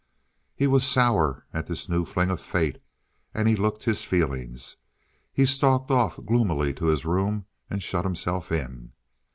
He was sour at this new fling of fate, and he looked his feelings; he stalked off gloomily to his room and shut himself in.